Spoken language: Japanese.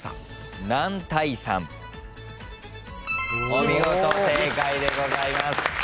お見事正解でございます。